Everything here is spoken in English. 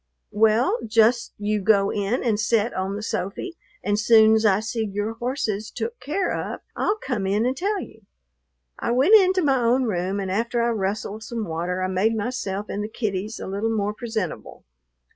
"Well, just you go in and set on the sofy and soon's I see your horses took care of I'll come in and tell you." I went into my own room, and after I rustled some water I made myself and the kiddies a little more presentable.